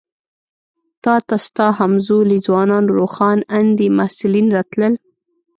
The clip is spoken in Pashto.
تا ته ستا همزولي ځوانان روښان اندي محصلین راتلل.